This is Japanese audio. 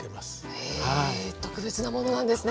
へえ特別なものなんですね。